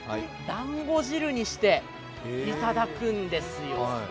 だんご汁にしていただくんですよ。